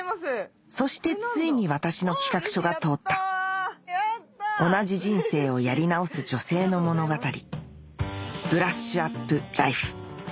そしてついに私の企画書が通った同じ人生をやり直す女性の物語『ブラッシュアップライフ』